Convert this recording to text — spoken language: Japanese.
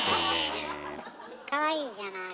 かわいいじゃないの。